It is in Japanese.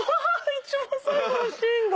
一番最後のシーンだ！